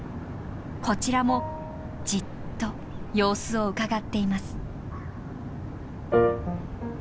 こちらもじっと様子をうかがっています。